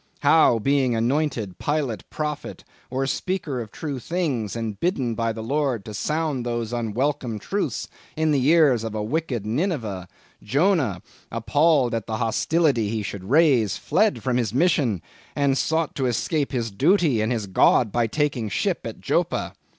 How being an anointed pilot prophet, or speaker of true things, and bidden by the Lord to sound those unwelcome truths in the ears of a wicked Nineveh, Jonah, appalled at the hostility he should raise, fled from his mission, and sought to escape his duty and his God by taking ship at Joppa.